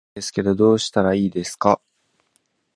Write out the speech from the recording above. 話せないんですけどどうしたらいいですか